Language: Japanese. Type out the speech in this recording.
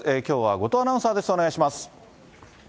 きょうは後藤アナウンサーです。